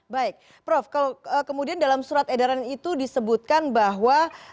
baik prof kalau kemudian dalam surat edaran itu disebutkan bahwa